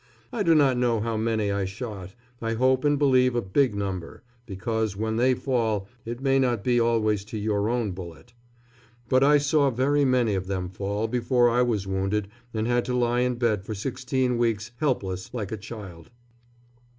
I do not know how many I shot I hope and believe a big number because when they fall it may not be always to your own bullet. But I saw very many of them fall before I was wounded and had to lie in bed for sixteen weeks, helpless, like a child.